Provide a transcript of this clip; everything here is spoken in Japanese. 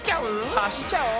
走っちゃおう！